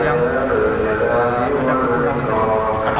yang ada kekurangan tersebut